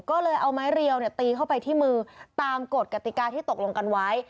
ก็เลยเอาไม้เรียวตีเข้าไปที่มือตามกฎกติกาที่ตกลงกันไว้